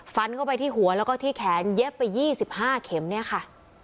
ฟันเข้าไปที่หัวแล้วก็ที่แขนเย็บไป๒๕เข็มเนี่ยค่ะ